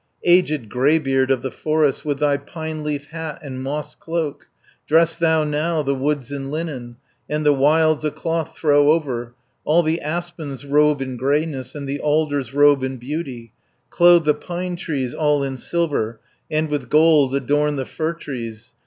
"Aged greybeard of the forest, With thy pine leaf hat and moss cloak, Dress thou now the woods in linen, And the wilds a cloth throw over. All the aspens robe in greyness, And the alders robe in beauty, Clothe the pine trees all in silver, And with gold adorn the fir trees.